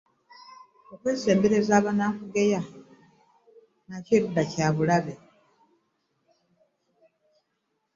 Okwesembereza abanaakugeya nakyo erudda kya bulabe.